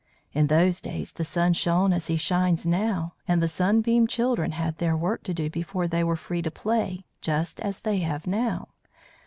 In those days the sun shone as he shines now, and the Sunbeam Children had their work to do before they were free to play, just as they have now.